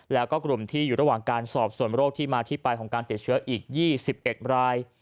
แล้วก็กลุ่มที่อยู่ระหว่างการสอบส่วนโรคที่มาที่ไปของการติดเชื้ออีก๒๑ราย